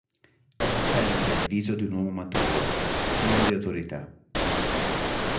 È sempre il viso di un uomo maturo, pieno di autorità.